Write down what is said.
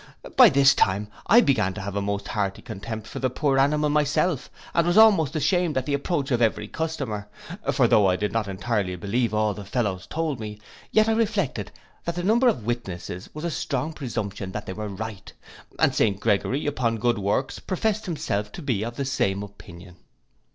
By this time I began to have a most hearty contempt for the poor animal myself, and was almost ashamed at the approach of every customer; for though I did not entirely believe all the fellows told me; yet I reflected that the number of witnesses was a strong presumption they were right, and St Gregory, upon good works, professes himself to be of the same opinion.